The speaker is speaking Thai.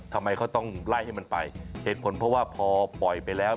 ทำไมเขาต้องไล่ให้มันไปเหตุผลเพราะว่าพอปล่อยไปแล้ว